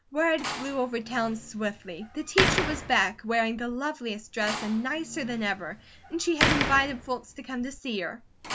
Word flew over town swiftly. The Teacher was back, wearing the loveliest dress, and nicer than ever, and she had invited folks to come to see her.